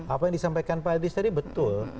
apa yang disampaikan pak edris tadi betul